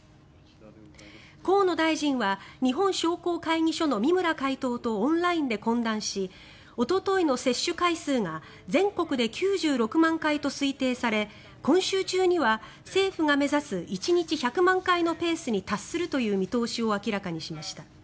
河野大臣は日本商工会議所の三村会頭とオンラインで懇談しおとといの接種回数が全国で９６万回と推定され今週中には政府が目指す１日１００万回のペースに達するという見通しを明らかにしました。